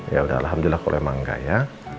yaudah alhamdulillah kalau emang nggak ya